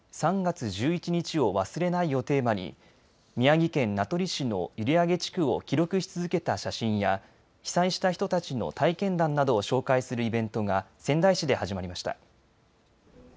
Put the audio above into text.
３月１１日を忘れないをテーマに宮城県名取市の閖上地区を記録し続けた写真や被災した人たちの体験談などを紹介するイベントが仙台市で始まりました。